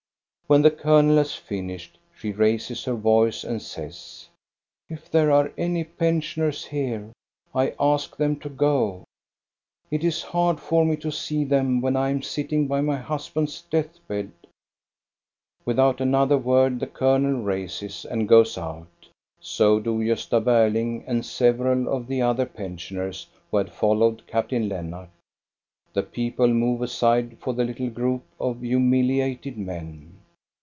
When the colonel has finished, she raises her voice and says, —" If there are any pensioners here, I ask them to go. It is hard for me to see them when I am sitting by my husband's death bed." 436 THE STORY OF GOSTA BERLIMG Without another word the colonel rises and goes out. Sb do Gosta Berling and several of the other pensioners who had followed Captain Lennart. The people move aside for the little group of humiliated men.